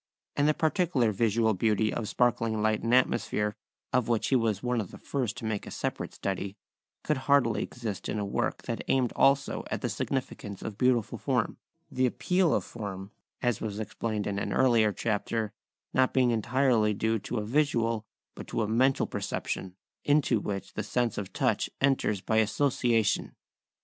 And the particular visual beauty of sparkling light and atmosphere, of which he was one of the first to make a separate study, could hardly exist in a work that aimed also at the significance of beautiful form, the appeal of form, as was explained in an earlier chapter, not being entirely due to a visual but to a mental perception, into which the sense of touch enters by association.